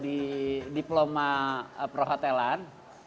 di diploma prohotelan